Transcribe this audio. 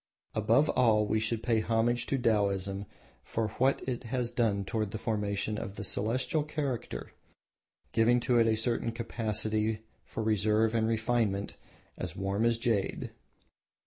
Above all we should pay homage to Taoism for what it has done toward the formation of the Celestial character, giving to it a certain capacity for reserve and refinement as "warm as jade."